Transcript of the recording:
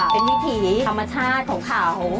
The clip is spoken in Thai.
เป็นวิถีธรรมชาติของเขา